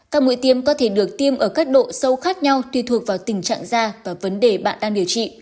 các mũi tiêm có thể được tiêm ở các độ sâu khác nhau tùy thuộc vào tình trạng da và vấn đề bạn đang điều trị